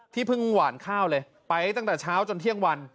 เพิ่งหวานข้าวเลยไปตั้งแต่เช้าจนเที่ยงวัน